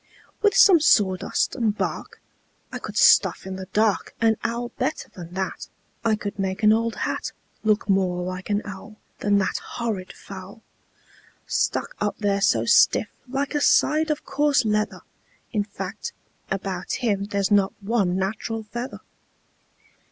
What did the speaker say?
"With some sawdust and bark I could stuff in the dark An owl better than that. I could make an old hat Look more like an owl Than that horrid fowl, Stuck up there so stiff like a side of coarse leather. In fact, about him there's not one natural feather."